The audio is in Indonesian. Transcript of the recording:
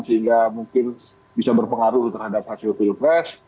sehingga mungkin bisa berpengaruh terhadap hasil pilpres